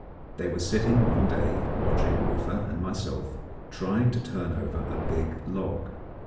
They were sitting one day watching Wooffa and myself trying to turn over a big log.